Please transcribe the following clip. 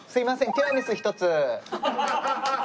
ティラミス１つ。